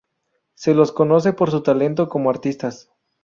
Se los conoce por su talento como artistas.